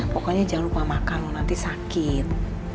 pokoknya jangan lupa makan nanti sakit